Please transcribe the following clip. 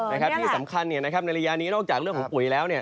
นี่ค่ะที่สำคัญในระยะนี้นอกจากเรื่องของปุ๋ยแล้ว